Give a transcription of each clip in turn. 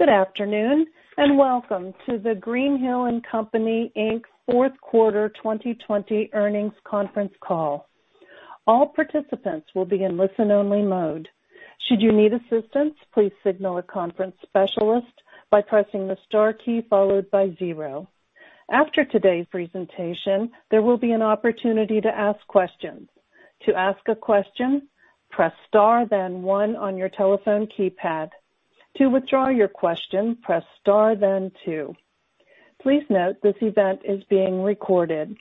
Good afternoon, and welcome to the Greenhill & Co., Inc. fourth quarter 2020 Earnings Conference Call. All participants will be in listen-only mode. Should you need assistance, please signal a conference specialist by pressing the star key followed by zero. After today's presentation, there will be an opportunity to ask questions. To ask a question, press star, then one on your telephone keypad. To withdraw your question, press star then two. Please note this event is being recorded.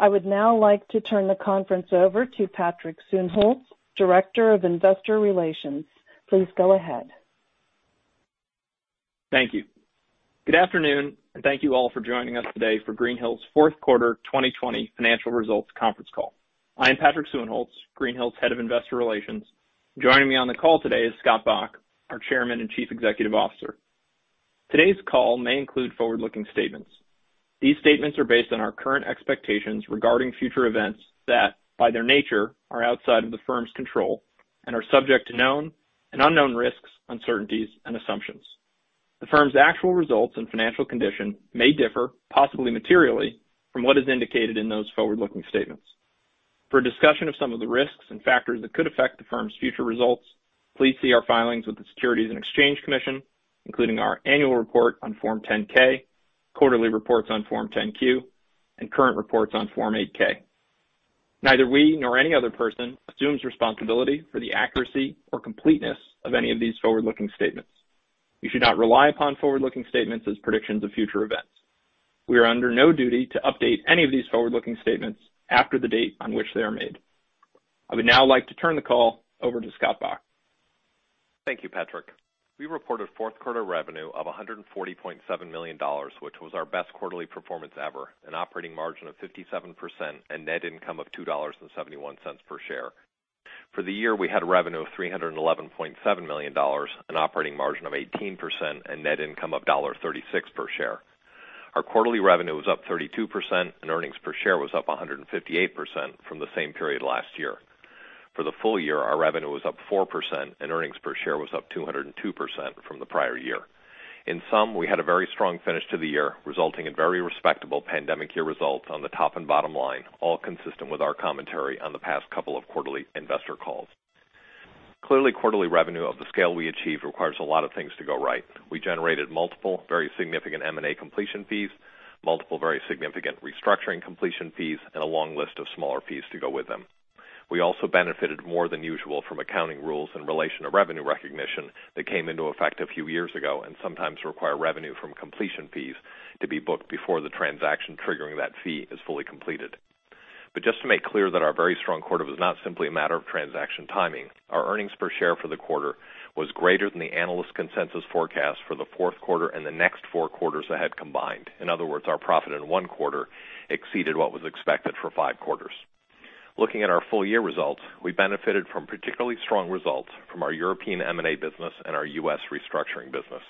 I would now like to turn the conference over to Patrick Suehnholz, Director of Investor Relations. Please go ahead. Thank you. Good afternoon, and thank you all for joining us today for Greenhill's fourth quarter 2020 financial results conference call. I am Patrick Suehnholz, Greenhill's Head of Investor Relations. Joining me on the call today is Scott Bok, our Chairman and Chief Executive Officer. Today's call may include forward-looking statements. These statements are based on our current expectations regarding future events that, by their nature, are outside of the firm's control and are subject to known and unknown risks, uncertainties, and assumptions. The firm's actual results and financial condition may differ, possibly materially, from what is indicated in those forward-looking statements. For a discussion of some of the risks and factors that could affect the firm's future results, please see our filings with the Securities and Exchange Commission, including our annual report on Form 10-K, quarterly reports on Form 10-Q, and current reports on Form 8-K. Neither we nor any other person assumes responsibility for the accuracy or completeness of any of these forward-looking statements. You should not rely upon forward-looking statements as predictions of future events. We are under no duty to update any of these forward-looking statements after the date on which they are made. I would now like to turn the call over to Scott Bok. Thank you, Patrick. We reported fourth quarter revenue of $140.7 million, which was our best quarterly performance ever, an operating margin of 57% and net income of $2.71 per share. For the year, we had revenue of $311.7 million, an operating margin of 18% and net income of $1.36 per share. Our quarterly revenue was up 32% and earnings per share was up 158% from the same period last year. For the full year, our revenue was up 4% and earnings per share was up 202% from the prior year. In sum, we had a very strong finish to the year, resulting in very respectable pandemic year results on the top and bottom line, all consistent with our commentary on the past couple of quarterly investor calls. Clearly, quarterly revenue of the scale we achieved requires a lot of things to go right. We generated multiple, very significant M&A completion fees, multiple very significant restructuring completion fees, and a long list of smaller fees to go with them. We also benefited more than usual from accounting rules in relation to revenue recognition that came into effect a few years ago and sometimes require revenue from completion fees to be booked before the transaction triggering that fee is fully completed. But just to make clear that our very strong quarter was not simply a matter of transaction timing, our earnings per share for the quarter was greater than the analyst consensus forecast for the fourth quarter and the next four quarters ahead combined. In other words, our profit in one quarter exceeded what was expected for five quarters. Looking at our full-year results, we benefited from particularly strong results from our European M&A business and our US restructuring business.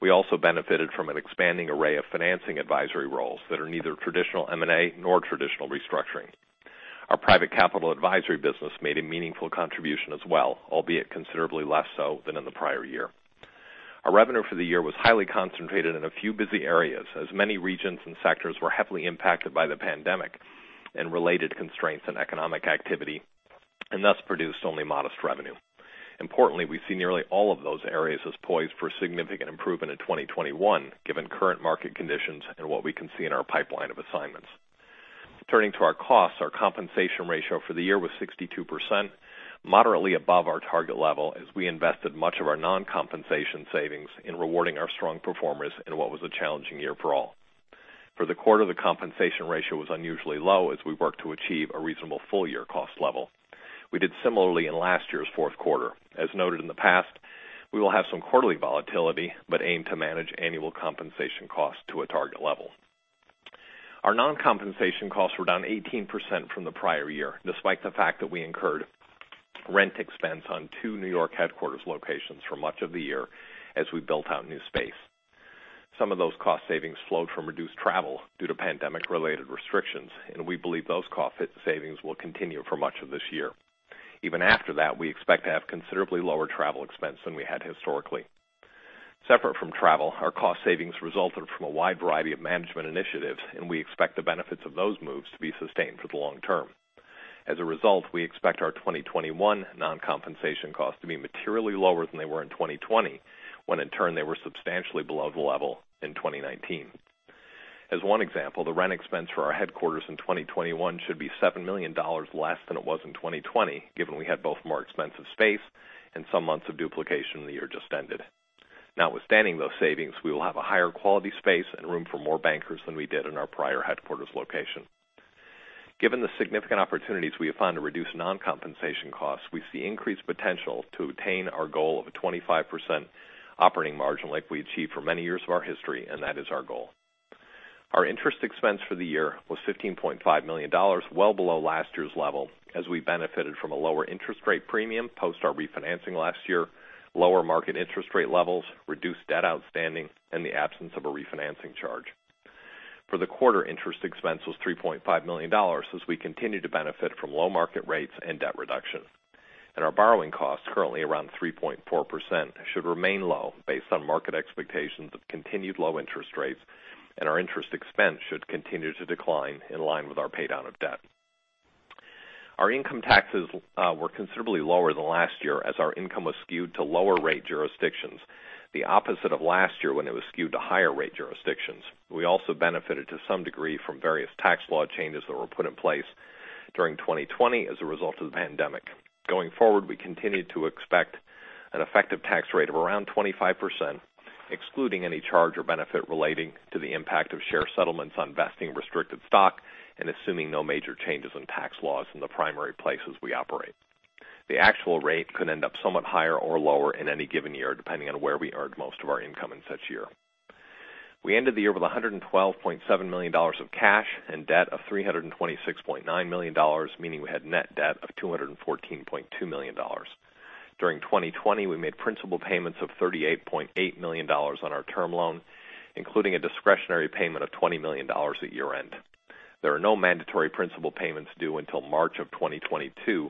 We also benefited from an expanding array of financing advisory roles that are neither traditional M&A nor traditional restructuring. Our private capital advisory business made a meaningful contribution as well, albeit considerably less so than in the prior year. Our revenue for the year was highly concentrated in a few busy areas, as many regions and sectors were heavily impacted by the pandemic and related constraints on economic activity, and thus produced only modest revenue. Importantly, we see nearly all of those areas as poised for significant improvement in 2021, given current market conditions and what we can see in our pipeline of assignments. Turning to our costs, our compensation ratio for the year was 62%, moderately above our target level, as we invested much of our non-compensation savings in rewarding our strong performers in what was a challenging year for all. For the quarter, the compensation ratio was unusually low as we worked to achieve a reasonable full-year cost level. We did similarly in last year's fourth quarter. As noted in the past, we will have some quarterly volatility, but aim to manage annual compensation costs to a target level. Our non-compensation costs were down 18% from the prior year, despite the fact that we incurred rent expense on two New York headquarters locations for much of the year as we built out new space. Some of those cost savings flowed from reduced travel due to pandemic-related restrictions, and we believe those cost savings will continue for much of this year. Even after that, we expect to have considerably lower travel expense than we had historically. Separate from travel, our cost savings resulted from a wide variety of management initiatives, and we expect the benefits of those moves to be sustained for the long term. As a result, we expect our 2021 non-compensation costs to be materially lower than they were in 2020, when in turn, they were substantially below the level in 2019. As one example, the rent expense for our headquarters in 2021 should be $7 million less than it was in 2020, given we had both more expensive space and some months of duplication in the year just ended. Notwithstanding those savings, we will have a higher quality space and room for more bankers than we did in our prior headquarters location. Given the significant opportunities we have found to reduce non-compensation costs, we see increased potential to attain our goal of a 25% Operating Margin like we achieved for many years of our history, and that is our goal. Our interest expense for the year was $15.5 million, well below last year's level, as we benefited from a lower interest rate premium post our refinancing last year, lower market interest rate levels, reduced debt outstanding, and the absence of a refinancing charge. For the quarter, interest expense was $3.5 million as we continue to benefit from low market rates and debt reduction. Our borrowing costs, currently around 3.4%, should remain low based on market expectations of continued low interest rates, and our interest expense should continue to decline in line with our pay down of debt. Our income taxes were considerably lower than last year as our income was skewed to lower rate jurisdictions, the opposite of last year, when it was skewed to higher rate jurisdictions. We also benefited, to some degree, from various tax law changes that were put in place during 2020 as a result of the pandemic. Going forward, we continue to expect an effective tax rate of around 25%, excluding any charge or benefit relating to the impact of share settlements on vesting restricted stock and assuming no major changes in tax laws in the primary places we operate. The actual rate could end up somewhat higher or lower in any given year, depending on where we earned most of our income in such year. We ended the year with $112.7 million of cash and debt of $326.9 million, meaning we had net debt of $214.2 million. During 2020, we made principal payments of $38.8 million on our term loan, including a discretionary payment of $20 million at year-end. There are no mandatory principal payments due until March 2022,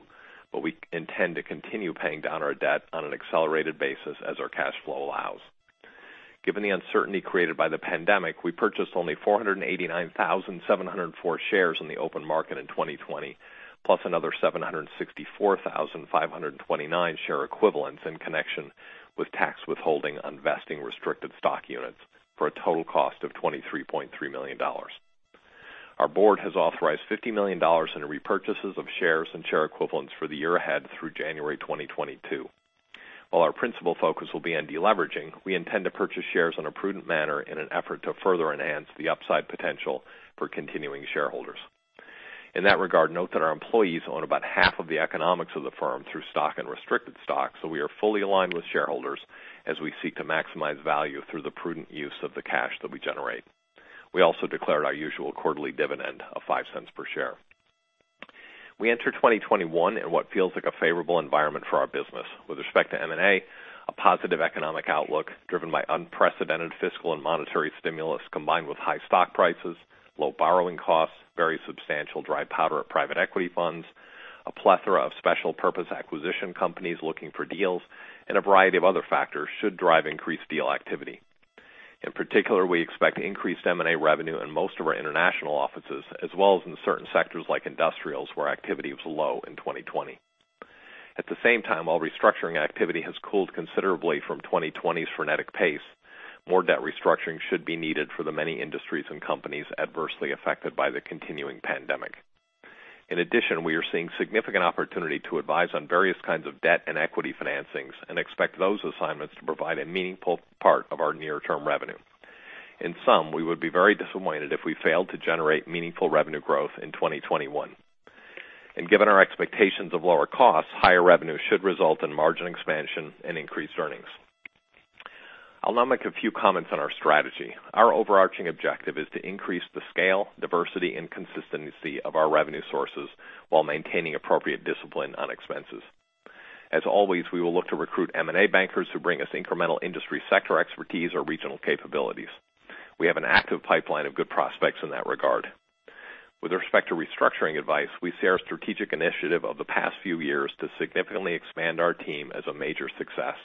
but we intend to continue paying down our debt on an accelerated basis as our cash flow allows. Given the uncertainty created by the pandemic, we purchased only 489,704 shares in the open market in 2020, plus another 764,529 share equivalents in connection with tax withholding on vesting restricted stock units for a total cost of $23.3 million. Our board has authorized $50 million in repurchases of shares and share equivalents for the year ahead through January 2022. While our principal focus will be on deleveraging, we intend to purchase shares in a prudent manner in an effort to further enhance the upside potential for continuing shareholders. In that regard, note that our employees own about half of the economics of the firm through stock and restricted stock, so we are fully aligned with shareholders as we seek to maximize value through the prudent use of the cash that we generate. We also declared our usual quarterly dividend of $0.05 per share. We enter 2021 in what feels like a favorable environment for our business. With respect to M&A, a positive economic outlook, driven by unprecedented fiscal and monetary stimulus, combined with high stock prices, low borrowing costs, very substantial dry powder of private equity funds, a plethora of special purpose acquisition companies looking for deals, and a variety of other factors should drive increased deal activity. In particular, we expect increased M&A revenue in most of our international offices, as well as in certain sectors like industrials, where activity was low in 2020. At the same time, while restructuring activity has cooled considerably from 2020's frenetic pace, more debt restructuring should be needed for the many industries and companies adversely affected by the continuing pandemic. In addition, we are seeing significant opportunity to advise on various kinds of debt and equity financings and expect those assignments to provide a meaningful part of our near-term revenue. In sum, we would be very disappointed if we failed to generate meaningful revenue growth in 2021. Given our expectations of lower costs, higher revenue should result in margin expansion and increased earnings. I'll now make a few comments on our strategy. Our overarching objective is to increase the scale, diversity, and consistency of our revenue sources while maintaining appropriate discipline on expenses. As always, we will look to recruit M&A bankers who bring us incremental industry sector expertise or regional capabilities. We have an active pipeline of good prospects in that regard. With respect to restructuring advice, we see our strategic initiative of the past few years to significantly expand our team as a major success,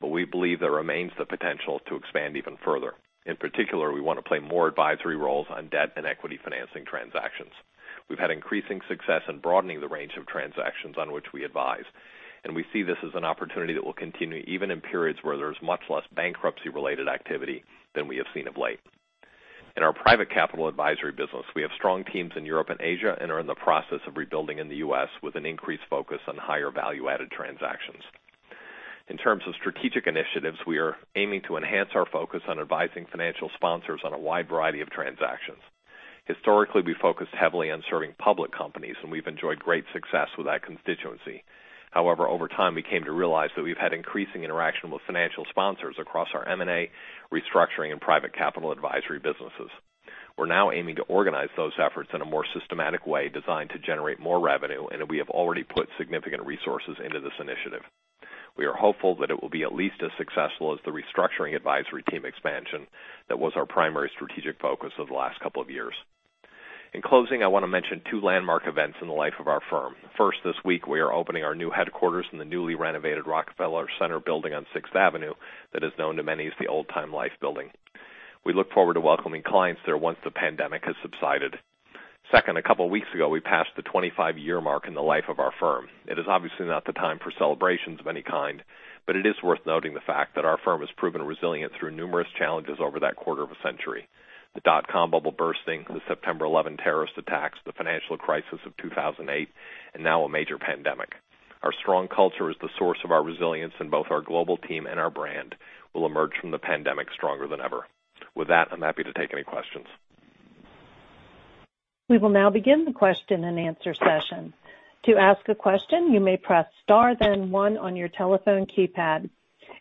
but we believe there remains the potential to expand even further. In particular, we want to play more advisory roles on debt and equity financing transactions. We've had increasing success in broadening the range of transactions on which we advise, and we see this as an opportunity that will continue even in periods where there is much less bankruptcy-related activity than we have seen of late. In our Private Capital Advisory business, we have strong teams in Europe and Asia, and are in the process of rebuilding in the U.S., with an increased focus on higher value-added transactions. In terms of strategic initiatives, we are aiming to enhance our focus on advising financial sponsors on a wide variety of transactions. Historically, we focused heavily on serving public companies, and we've enjoyed great success with that constituency. However, over time, we came to realize that we've had increasing interaction with financial sponsors across our M&A, restructuring, and Private Capital Advisory businesses. We're now aiming to organize those efforts in a more systematic way, designed to generate more revenue, and we have already put significant resources into this initiative. We are hopeful that it will be at least as successful as the restructuring advisory team expansion that was our primary strategic focus over the last couple of years. In closing, I want to mention two landmark events in the life of our firm. First, this week, we are opening our new headquarters in the newly renovated Rockefeller Center building on Sixth Avenue that is known to many as the old Time-Life Building. We look forward to welcoming clients there once the pandemic has subsided. Second, a couple weeks ago, we passed the 25-year mark in the life of our firm. It is obviously not the time for celebrations of any kind, but it is worth noting the fact that our firm has proven resilient through numerous challenges over that quarter of a century: the dot-com bubble bursting, the 9/11 terrorist attacks, the financial crisis of 2008, and now a major pandemic. Our strong culture is the source of our resilience, and both our global team and our brand will emerge from the pandemic stronger than ever. With that, I'm happy to take any questions. We will now begin the question-and-answer session. To ask a question, you may press star then one on your telephone keypad.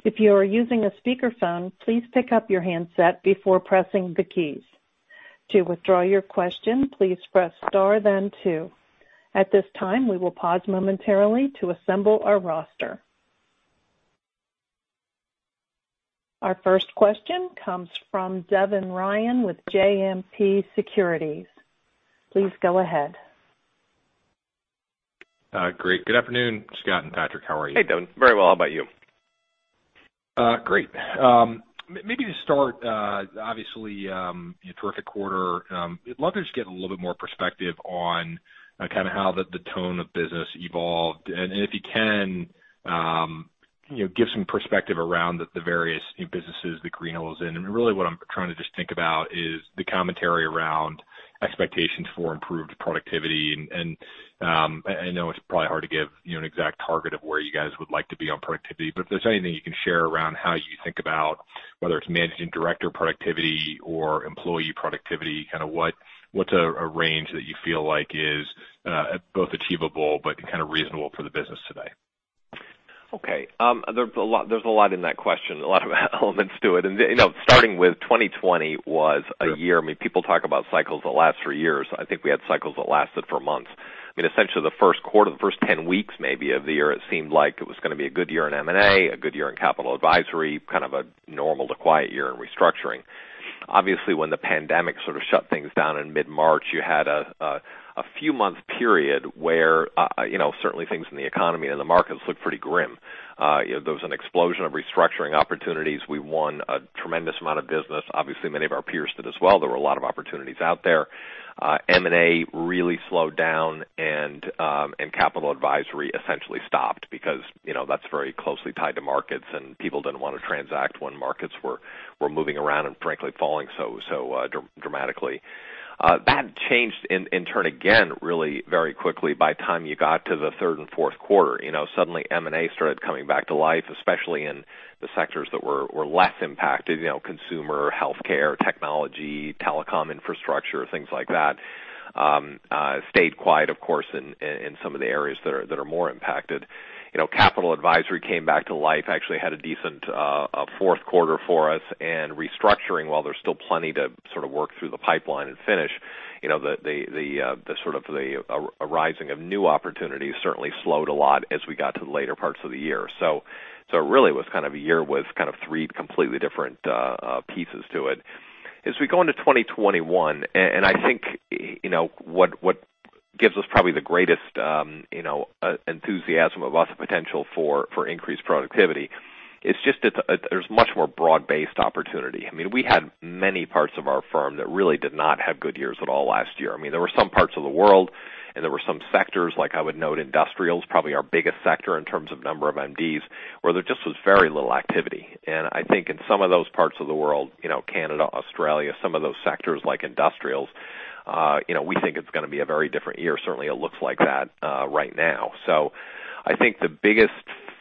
If you are using a speakerphone, please pick up your handset before pressing the keys. To withdraw your question, please press star then two. At this time, we will pause momentarily to assemble our roster. Our first question comes from Devin Ryan with JMP Securities. Please go ahead. Great. Good afternoon, Scott and Patrick, how are you? Hey, Devin. Very well, how about you? Great. Maybe to start, obviously, a terrific quarter. I'd love to just get a little bit more perspective on kind of how the tone of business evolved. And if you can, you know, give some perspective around the various new businesses that Greenhill is in. I mean, really what I'm trying to just think about is the commentary around expectations for improved productivity. And I know it's probably hard to give, you know, an exact target of where you guys would like to be on productivity, but if there's anything you can share around how you think about whether it's managing director productivity or employee productivity, kind of what's a range that you feel like is both achievable but kind of reasonable for the business today? Okay. There's a lot, there's a lot in that question, a lot of elements to it. And, you know, starting with 2020 was a year—I mean, people talk about cycles that last for years. I think we had cycles that lasted for months. I mean, essentially the first quarter, the first 10 weeks, maybe, of the year, it seemed like it was going to be a good year in M&A, a good year in Capital Advisory, kind of a normal to quiet year in Restructuring. Obviously, when the pandemic sort of shut things down in mid-March, you had a few month period where, you know, certainly things in the economy and the markets looked pretty grim. There was an explosion of Restructuring opportunities. We won a tremendous amount of business. Obviously, many of our peers did as well. There were a lot of opportunities out there. M&A really slowed down, and Capital Advisory essentially stopped because, you know, that's very closely tied to markets, and people didn't want to transact when markets were moving around and frankly, falling so dramatically. That changed in turn again, really very quickly by the time you got to the third and fourth quarter. You know, suddenly M&A started coming back to life, especially in the sectors that were less impacted, you know, consumer, healthcare, technology, telecom, infrastructure, things like that. Stayed quiet, of course, in some of the areas that are more impacted. You know, Capital Advisory came back to life, actually had a decent fourth quarter for us. Restructuring, while there's still plenty to sort of work through the pipeline and finish, you know, the sort of a rising of new opportunities certainly slowed a lot as we got to the later parts of the year. So it really was kind of a year with kind of three completely different pieces to it. As we go into 2021, and I think, you know, what gives us probably the greatest enthusiasm about the potential for increased productivity, it's just that there's much more broad-based opportunity. I mean, we had many parts of our firm that really did not have good years at all last year. I mean, there were some parts of the world, and there were some sectors, like I would note industrial is probably our biggest sector in terms of number of MDs, where there just was very little activity. And I think in some of those parts of the world, you know, Canada, Australia, some of those sectors like industrials, you know, we think it's going to be a very different year. Certainly, it looks like that, right now. So I think the biggest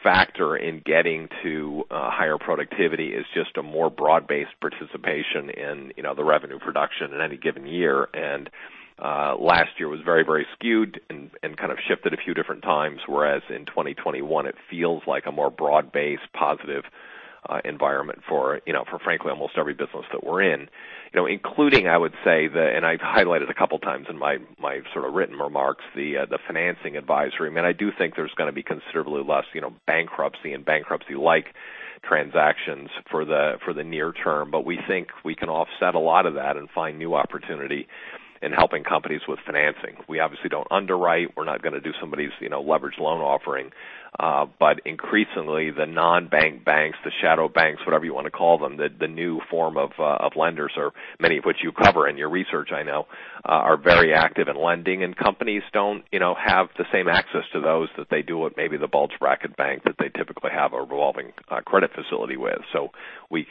factor in getting to higher productivity is just a more broad-based participation in, you know, the revenue production in any given year. And last year was very, very skewed and kind of shifted a few different times, whereas in 2021, it feels like a more broad-based, positive environment for, you know, for frankly, almost every business that we're in. You know, including, I would say, and I've highlighted a couple of times in my sort of written remarks, the financing advisory. I mean, I do think there's going to be considerably less, you know, bankruptcy and bankruptcy-like transactions for the near term, but we think we can offset a lot of that and find new opportunity in helping companies with financing. We obviously don't underwrite. We're not going to do somebody's, you know, leveraged loan offering. But increasingly, the non-bank banks, the shadow banks, whatever you want to call them, the new form of lenders, or many of which you cover in your research, I know, are very active in lending, and companies don't, you know, have the same access to those that they do with maybe the bulge bracket bank that they typically have a revolving credit facility with. So we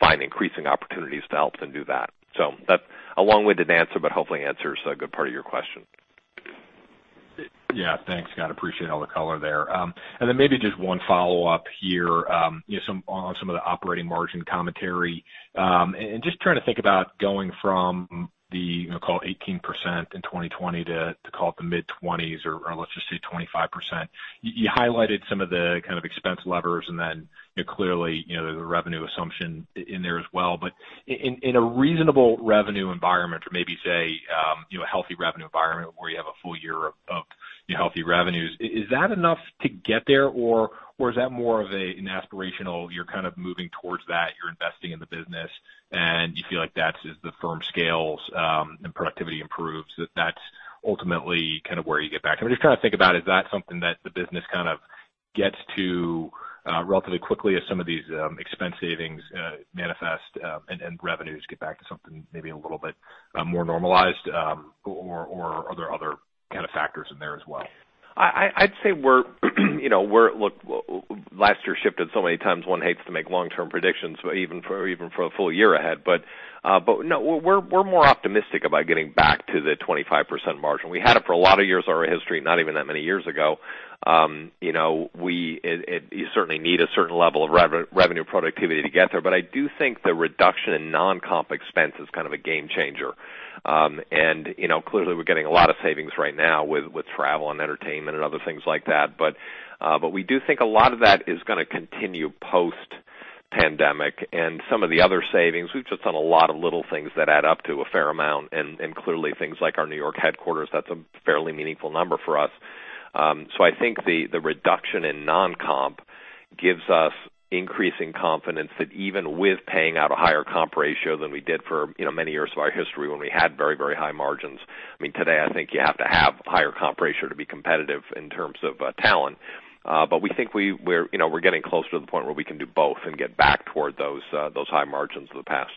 find increasing opportunities to help them do that. So that's a long-winded answer, but hopefully answers a good part of your question. Yeah, thanks, Scott. Appreciate all the color there. And then maybe just one follow-up here, you know, some of the operating margin commentary. And just trying to think about going from the, call it 18% in 2020 to, to call it the mid-20s, or, or let's just say 25%. You, you highlighted some of the kind of expense levers, and then clearly, you know, the revenue assumption in there as well. But in, in a reasonable revenue environment, or maybe say, you know, a healthy revenue environment where you have a full year of, of healthy revenues, is that enough to get there? Or is that more of a, an aspirational, you're kind of moving towards that, you're investing in the business, and you feel like that's as the firm scales, and productivity improves, that that's ultimately kind of where you get back? I'm just trying to think about, is that something that the business kind of gets to, relatively quickly as some of these, expense savings, manifest, and revenues get back to something maybe a little bit, more normalized, or are there other kind of factors in there as well? I'd say we're, you know, we're... Look, last year shifted so many times. One hates to make long-term predictions, even for a full year ahead. But no, we're more optimistic about getting back to the 25% margin. We had it for a lot of years of our history, not even that many years ago. You know, you certainly need a certain level of revenue productivity to get there. But I do think the reduction in non-comp expense is kind of a game changer. And you know, clearly, we're getting a lot of savings right now with travel and entertainment and other things like that. But we do think a lot of that is going to continue post-pandemic. And some of the other savings, we've just done a lot of little things that add up to a fair amount, and, and clearly, things like our New York headquarters, that's a fairly meaningful number for us... So I think the reduction in non-comp gives us increasing confidence that even with paying out a higher comp ratio than we did for, you know, many years of our history when we had very, very high margins, I mean, today, I think you have to have higher comp ratio to be competitive in terms of, talent. But we think we're, you know, we're getting close to the point where we can do both and get back toward those, those high margins of the past.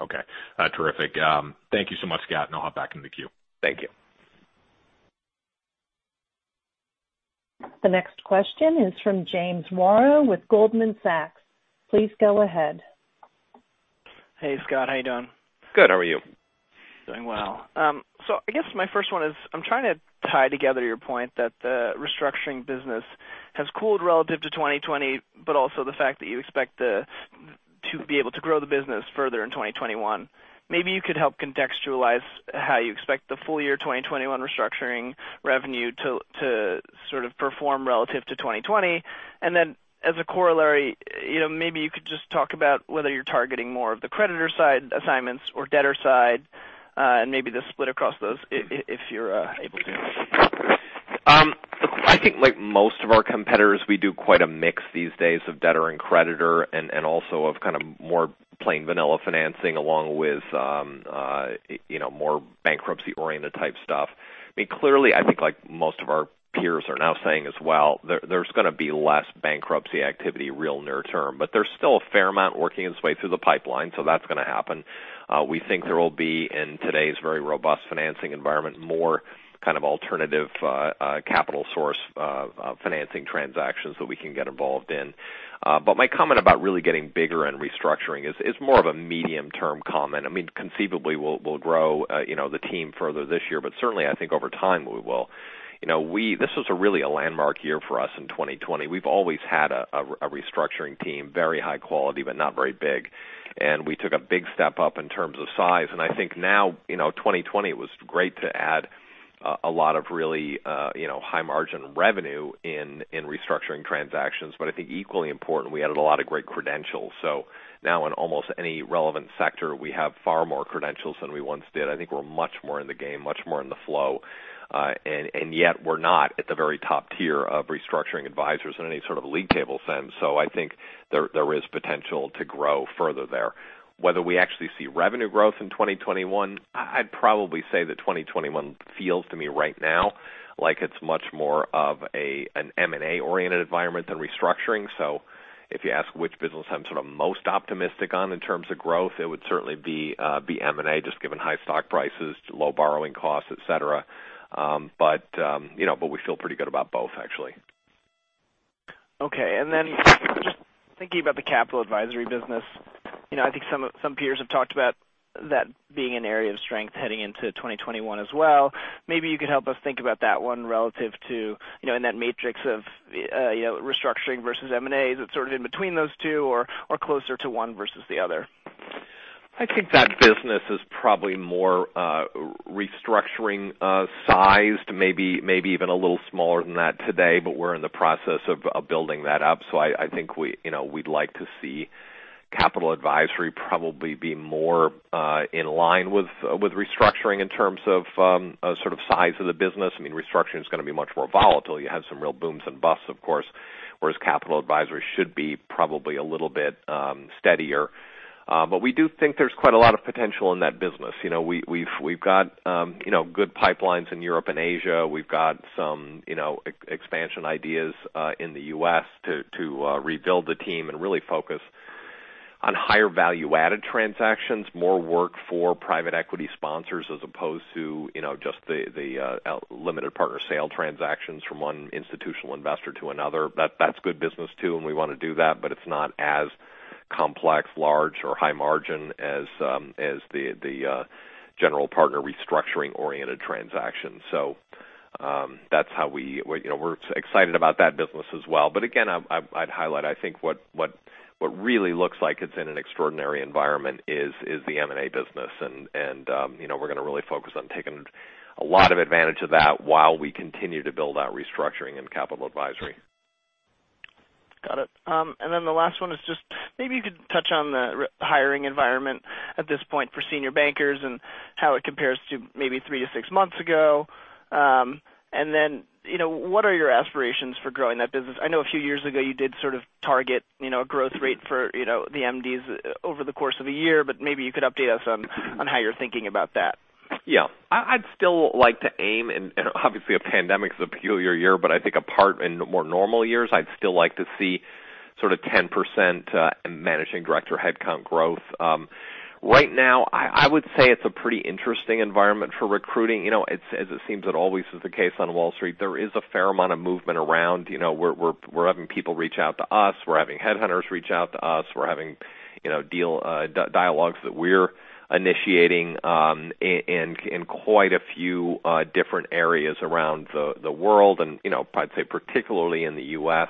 Okay. Terrific. Thank you so much, Scott, and I'll hop back in the queue. Thank you. The next question is from James Yaro with Goldman Sachs. Please go ahead. Hey, Scott, how you doing? Good. How are you? Doing well. So I guess my first one is I'm trying to tie together your point that the restructuring business has cooled relative to 2020, but also the fact that you expect to be able to grow the business further in 2021. Maybe you could help contextualize how you expect the full year 2021 restructuring revenue to sort of perform relative to 2020. And then as a corollary, you know, maybe you could just talk about whether you're targeting more of the creditor side assignments or debtor side, and maybe the split across those if you're able to. I think like most of our competitors, we do quite a mix these days of debtor and creditor and also of kind of more plain vanilla financing, along with, you know, more bankruptcy-oriented type stuff. I mean, clearly, I think like most of our peers are now saying as well, there's going to be less bankruptcy activity, real near term. But there's still a fair amount working its way through the pipeline, so that's going to happen. We think there will be, in today's very robust financing environment, more kind of alternative capital source financing transactions that we can get involved in. But my comment about really getting bigger and restructuring is more of a medium-term comment. I mean, conceivably, we'll grow, you know, the team further this year, but certainly, I think over time, we will. You know, this was really a landmark year for us in 2020. We've always had a restructuring team, very high quality, but not very big. And we took a big step up in terms of size, and I think now, you know, 2020, it was great to add a lot of really, you know, high margin revenue in restructuring transactions. But I think equally important, we added a lot of great credentials. So now, in almost any relevant sector, we have far more credentials than we once did. I think we're much more in the game, much more in the flow, and yet we're not at the very top tier of restructuring advisors in any sort of league table sense. So I think there is potential to grow further there. Whether we actually see revenue growth in 2021, I'd probably say that 2021 feels to me right now like it's much more of an M&A-oriented environment than restructuring. So if you ask which business I'm sort of most optimistic on in terms of growth, it would certainly be M&A, just given high stock prices, low borrowing costs, et cetera. But you know, but we feel pretty good about both, actually. Okay. And then just thinking about the Capital Advisory business, you know, I think some peers have talked about that being an area of strength heading into 2021 as well. Maybe you could help us think about that one relative to, you know, in that matrix of, you know, restructuring versus M&A. Is it sort of in between those two or, or closer to one versus the other? I think that business is probably more Restructuring-sized, maybe even a little smaller than that today, but we're in the process of building that up. So I think we, you know, we'd like to see Capital Advisory probably be more in line with Restructuring in terms of sort of size of the business. I mean, Restructuring is going to be much more volatile. You have some real booms and busts, of course, whereas Capital Advisory should be probably a little bit steadier. But we do think there's quite a lot of potential in that business. You know, we've got good pipelines in Europe and Asia. We've got some, you know, expansion ideas in the U.S. to rebuild the team and really focus on higher value-added transactions, more work for private equity sponsors, as opposed to, you know, just the limited partner sale transactions from one institutional investor to another. That's good business, too, and we want to do that, but it's not as complex, large or high margin as the general partner restructuring-oriented transaction. So, that's how we... You know, we're excited about that business as well. But again, I'd highlight, I think, what really looks like it's in an extraordinary environment is the M&A business. And you know, we're going to really focus on taking a lot of advantage of that while we continue to build out Restructuring and Capital Advisory. Got it. And then the last one is just maybe you could touch on the rehiring environment at this point for senior bankers and how it compares to maybe 3-6 months ago. And then, you know, what are your aspirations for growing that business? I know a few years ago, you did sort of target, you know, a growth rate for, you know, the MDs over the course of a year, but maybe you could update us on how you're thinking about that. Yeah. I'd still like to aim, and obviously, a pandemic is a peculiar year, but I think apart, in more normal years, I'd still like to see sort of 10% managing director headcount growth. Right now, I would say it's a pretty interesting environment for recruiting. You know, as it seems, it always is the case on Wall Street, there is a fair amount of movement around. You know, we're having people reach out to us. We're having headhunters reach out to us. We're having, you know, deal dialogues that we're initiating, in quite a few different areas around the world. And, you know, I'd say particularly in the U.S.,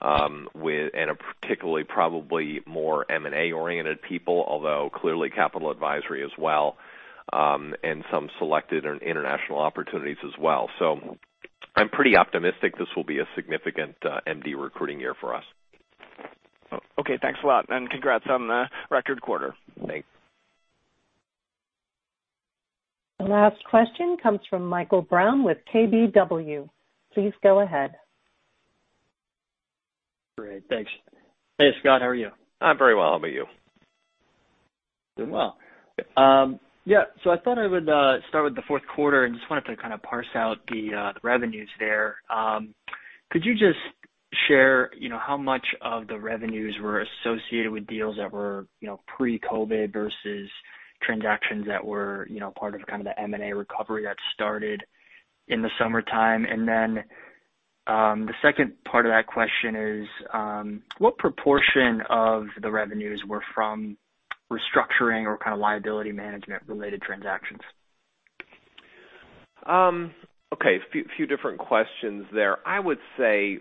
and particularly probably more M&A-oriented people, although clearly Capital Advisory as well, and some selected international opportunities as well. I'm pretty optimistic this will be a significant MD recruiting year for us. Okay, thanks a lot, and congrats on the record quarter. Thanks. The last question comes from Michael Brown with KBW. Please go ahead. Great, thanks. Hey, Scott, how are you? I'm very well. How about you? Doing well. Yeah, so I thought I would start with the fourth quarter and just wanted to kind of parse out the revenues there. Could you just share, you know, how much of the revenues were associated with deals that were, you know, pre-COVID versus transactions that were, you know, part of kind of the M&A recovery that started in the summertime? And then, the second part of that question is, what proportion of the revenues were from Restructuring or kind of liability management-related transactions? Okay, a few different questions there. I would say,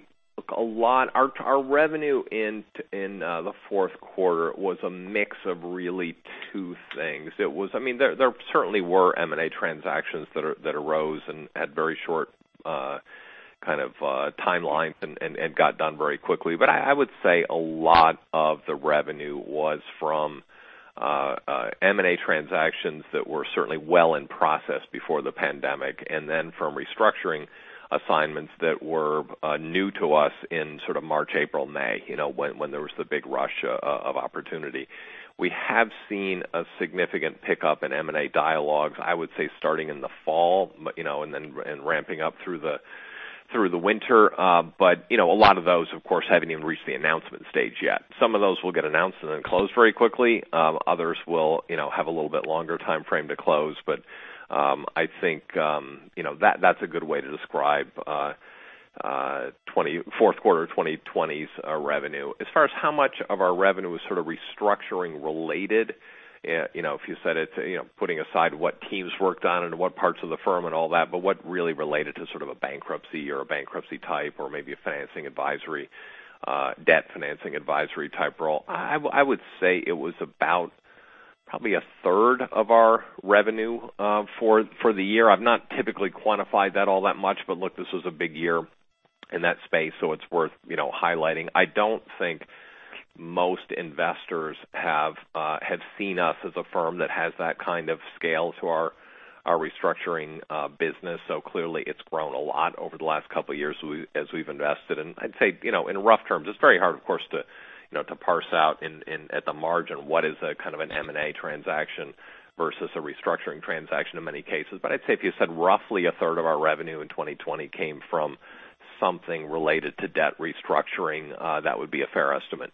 look, a lot, our revenue in the fourth quarter was a mix of really two things. It was, I mean, there certainly were M&A transactions that arose and had very short kind of timelines and got done very quickly. But I would say a lot of the revenue was from M&A transactions that were certainly well in process before the pandemic, and then from restructuring assignments that were new to us in sort of March, April, May, you know, when there was the big rush of opportunity. We have seen a significant pickup in M&A dialogues, I would say, starting in the fall, you know, and then ramping up through the winter. But, you know, a lot of those, of course, haven't even reached the announcement stage yet. Some of those will get announced and then closed very quickly. Others will, you know, have a little bit longer timeframe to close. But, I think, you know, that, that's a good way to describe the fourth quarter of 2020 revenue. As far as how much of our revenue is sort of restructuring related, you know, if you said it's, you know, putting aside what teams worked on and what parts of the firm and all that, but what really related to sort of a bankruptcy or a bankruptcy type or maybe a financing advisory, debt financing advisory type role, I would say it was about probably a third of our revenue for the year. I've not typically quantified that all that much, but look, this was a big year in that space, so it's worth, you know, highlighting. I don't think most investors have seen us as a firm that has that kind of scale to our restructuring business. So clearly, it's grown a lot over the last couple of years as we've invested. And I'd say, you know, in rough terms, it's very hard, of course, to, you know, to parse out in at the margin what is a kind of an M&A transaction versus a restructuring transaction in many cases. But I'd say if you said roughly a third of our revenue in 2020 came from something related to debt restructuring, that would be a fair estimate.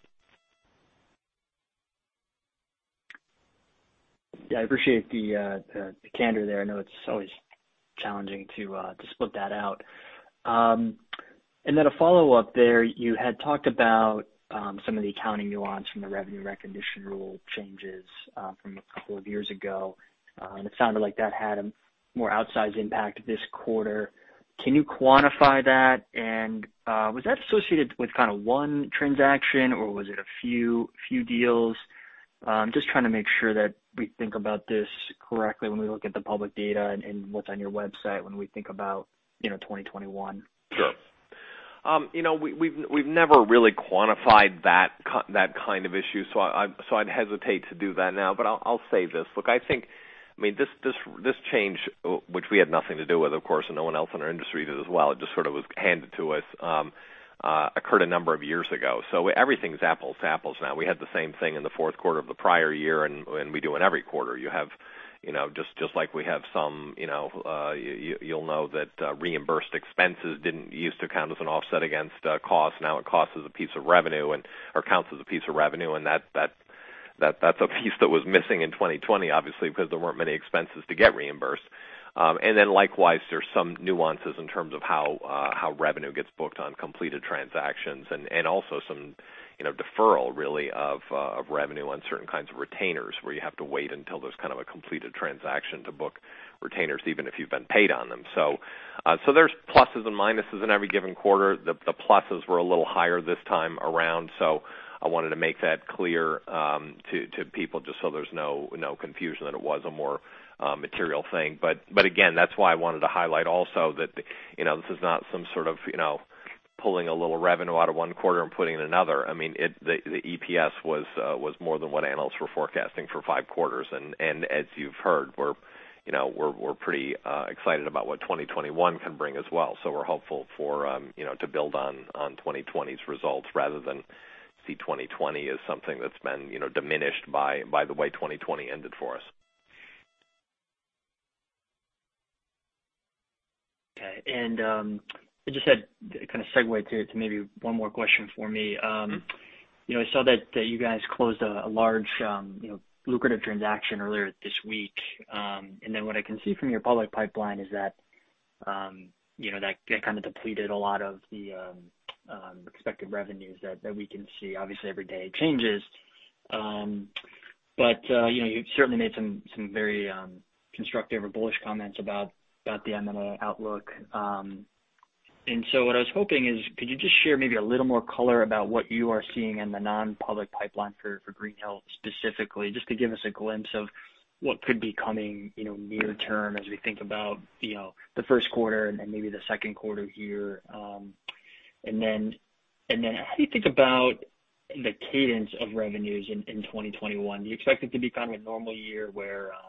Yeah, I appreciate the candor there. I know it's always challenging to split that out. And then a follow-up there, you had talked about some of the accounting nuance from the revenue recognition rule changes from a couple of years ago, and it sounded like that had a more outsized impact this quarter. Can you quantify that? And was that associated with kind of one transaction, or was it a few deals? Just trying to make sure that we think about this correctly when we look at the public data and what's on your website when we think about, you know, 2021. Sure. You know, we've never really quantified that kind of issue, so I'd hesitate to do that now. But I'll say this. Look, I think, I mean, this change, which we had nothing to do with, of course, and no one else in our industry did as well, it just sort of was handed to us, occurred a number of years ago. So everything's apples to apples now. We had the same thing in the fourth quarter of the prior year, and we do in every quarter. You have, you know, just like we have some, you know, you, you'll know that, reimbursed expenses didn't used to count as an offset against, cost. Now it counts as a piece of revenue and, or counts as a piece of revenue, and that, that, that, that's a piece that was missing in 2020, obviously, because there weren't many expenses to get reimbursed. And then likewise, there's some nuances in terms of how, how revenue gets booked on completed transactions and, and also some, you know, deferral really of, of revenue on certain kinds of retainers, where you have to wait until there's kind of a completed transaction to book retainers, even if you've been paid on them. So, so there's pluses and minuses in every given quarter. The, the pluses were a little higher this time around, so I wanted to make that clear, to, to people just so there's no, no confusion that it was a more, material thing. But, but again, that's why I wanted to highlight also that, you know, this is not some sort of, you know, pulling a little revenue out of one quarter and putting it in another. I mean, it-- the, the EPS was, was more than what analysts were forecasting for five quarters. And, and as you've heard, we're, you know, we're, we're pretty, excited about what 2021 can bring as well. So we're hopeful for, you know, to build on, on 2020's results rather than see 2020 as something that's been, you know, diminished by, by the way 2020 ended for us. Okay. And I just had kind of segue to maybe one more question for me. You know, I saw that you guys closed a large, you know, lucrative transaction earlier this week. And then what I can see from your public pipeline is that you know, that kind of depleted a lot of the expected revenues that we can see. Obviously, every day it changes. But you know, you've certainly made some very constructive or bullish comments about the M&A outlook. And so what I was hoping is, could you just share maybe a little more color about what you are seeing in the non-public pipeline for Greenhill, specifically, just to give us a glimpse of what could be coming, you know, near term as we think about, you know, the first quarter and then maybe the second quarter here? And then how do you think about the cadence of revenues in 2021? Do you expect it to be kind of a normal year where, you know,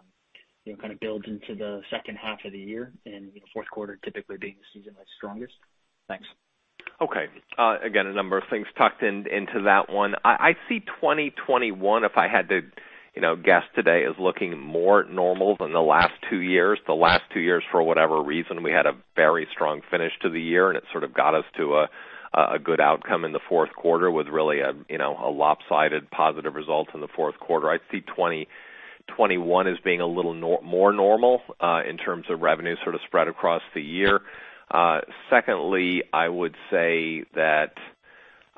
kind of builds into the second half of the year and, you know, fourth quarter typically being the season that's strongest? Thanks. Okay. Again, a number of things tucked in, into that one. I, I see 2021, if I had to, you know, guess today, is looking more normal than the last two years. The last two years, for whatever reason, we had a very strong finish to the year, and it sort of got us to a, a good outcome in the fourth quarter with really a, you know, a lopsided positive result in the fourth quarter. I see 2021 as being a little more normal, in terms of revenue sort of spread across the year. Secondly, I would say that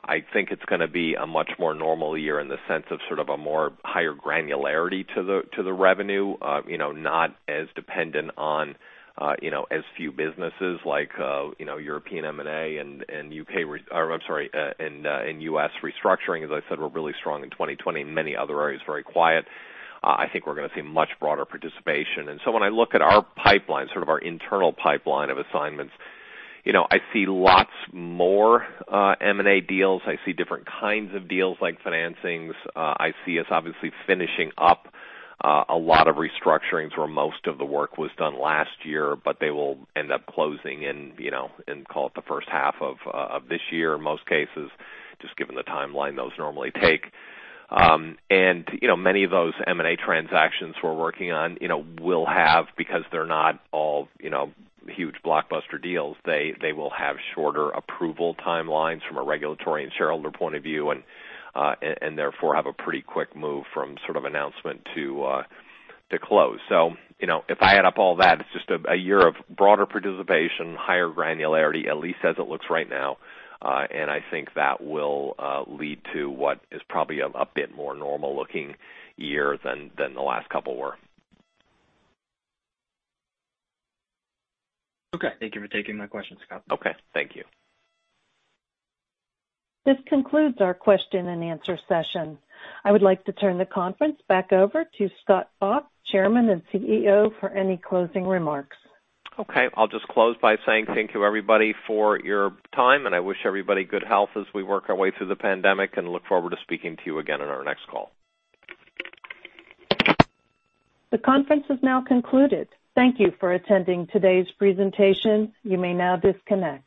I think it's gonna be a much more normal year in the sense of sort of a more higher granularity to the, to the revenue. You know, not as dependent on, you know, as few businesses like, you know, European M&A and, and U.K., re- or I'm sorry, and, and US restructuring. As I said, we're really strong in 2020, and many other areas, very quiet. I think we're gonna see much broader participation. And so when I look at our pipeline, sort of our internal pipeline of assignments, you know, I see lots more, M&A deals. I see different kinds of deals like financings. I see us obviously finishing up, a lot of restructurings where most of the work was done last year, but they will end up closing in, you know, in, call it the first half of, of this year, in most cases, just given the timeline those normally take. you know, many of those M&A transactions we're working on, you know, will have because they're not all, you know, huge blockbuster deals. They will have shorter approval timelines from a regulatory and shareholder point of view, and therefore, have a pretty quick move from sort of announcement to close. So, you know, if I add up all that, it's just a year of broader participation, higher granularity, at least as it looks right now. and I think that will lead to what is probably a bit more normal looking year than the last couple were. Okay. Thank you for taking my questions, Scott. Okay, thank you. This concludes our question and answer session. I would like to turn the conference back over to Scott Bok, Chairman and CEO, for any closing remarks. Okay. I'll just close by saying thank you, everybody, for your time, and I wish everybody good health as we work our way through the pandemic, and look forward to speaking to you again on our next call. The conference is now concluded. Thank you for attending today's presentation. You may now disconnect.